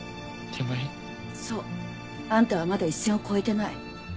そう。あんたはまだ一線を越えてない。